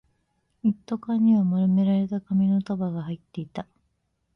一斗缶には丸められた紙の束が入っていた